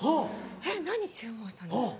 えっ何注文したんだろう？